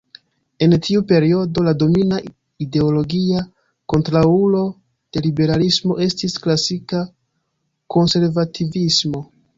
En tiu periodo, la domina ideologia kontraŭulo de liberalismo estis klasika konservativismo.